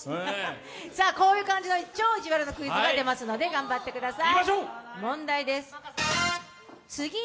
こういう感じの超いじわるなクイズが出ますので、頑張ってください。